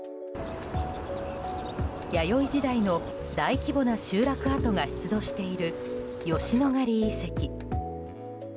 弥生時代の大規模な集落跡が出土している吉野ヶ里遺跡。